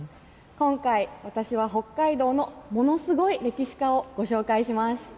今回、私は北海道のものすごい歴史家をご紹介します。